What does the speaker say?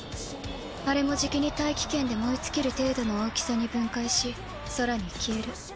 あれもじきに大気圏で燃え尽きる程度の大きさに分解し空に消える。